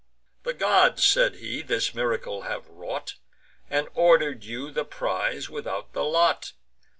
"The gods," said he, "this miracle have wrought, And order'd you the prize without the lot.